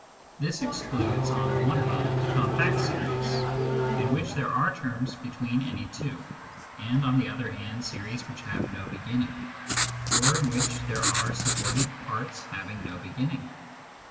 This excludes, on the one hand, compact series, in which there are terms between any two, and on the other hand series which have no beginning, or in which there are subordinate parts having no beginning.